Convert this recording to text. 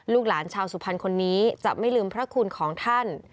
หลานชาวสุพรรณคนนี้จะไม่ลืมพระคุณของท่าน